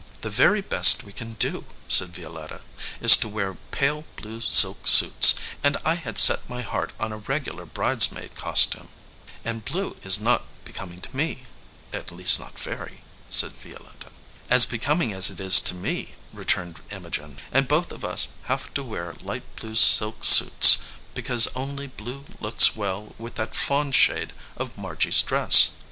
"The very best we can do," said Violetta, "is to wear pale blue silk suits, and I had set my heart on a regular bridesmaid costume. "And blue is not becoming to me at least not very," said Violetta. "As becoming as it is to me," returned Imogen, "and both of us have to wear light blue silk suits, because only blue looks well with that fawn shade of Margy s dress.